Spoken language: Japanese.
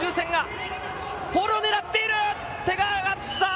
フォールを狙っている！